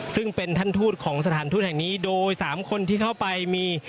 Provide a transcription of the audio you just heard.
ซึ่งเป็นท่านทูตของสถานทูตแห่งนี้โดย๓คนที่เข้าไปมี